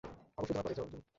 অবশ্যই তোমার পরে, যাও, জুনি।